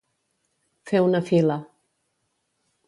Fer una fila.